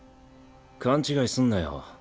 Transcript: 勘違いすんなよ。